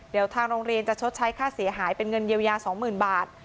เดี๋ยวทางโรงเรียนจะชดใช้ค่าเสียหายเป็นเงินเยียวยา๒๐๐๐บาท